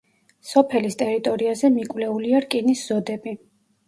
სოფელის ტერიტორიაზე მიკვლეულია რკინის ზოდები.